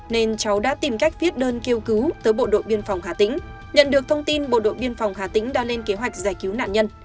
nên cháu đã tìm cách viết đơn kêu cứu tới bộ đội biên phòng hà tĩnh nhận được thông tin bộ đội biên phòng hà tĩnh đã lên kế hoạch giải cứu nạn nhân